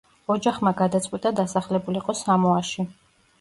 ოჯახმა გადაწყვიტა დასახლებულიყო სამოაში.